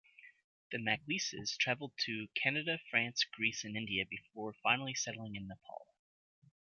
The MacLises travelled to Canada, France, Greece and India, before finally settling in Nepal.